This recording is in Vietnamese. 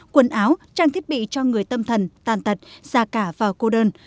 quần áo trang thiết bị cho người tâm thần tàn tật già cả và cô đơn